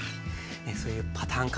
そういうパターン化